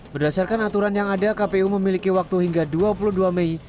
berdasarkan aturan yang ada kpu memiliki waktu hingga dua puluh dua mei